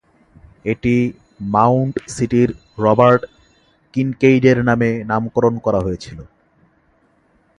এটি মাউন্ড সিটির রবার্ট কিনকেইডের নামে নামকরণ করা হয়েছিল।